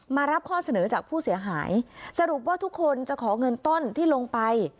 มารับข้อเสนอจากผู้เสียหายสรุปว่าทุกคนจะขอเงินต้นที่ลงไป